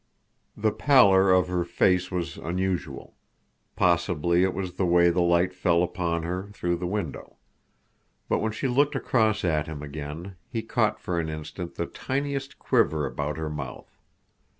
The pallor of her face was unusual. Possibly it was the way the light fell upon her through the window. But when she looked across at him again, he caught for an instant the tiniest quiver about her mouth.